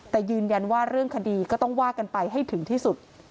แต่ยืนยันว่าเรื่องคดีก็ต้องว่ากันไปให้ถึงที่สุด